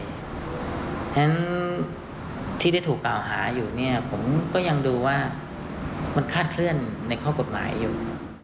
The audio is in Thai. เพราะฉะนั้นที่ได้ถูกกล่าวหาอยู่เนี่ยผมก็ยังดูว่ามันคาดเคลื่อนในข้อกฎหมายอยู่